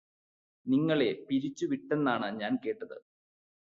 നിങ്ങളെ പിരിച്ചു വിട്ടെന്നാണ് ഞാന് കേട്ടത് സര്